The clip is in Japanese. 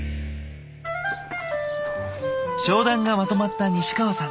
商談がまとまった西川さん。